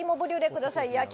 ください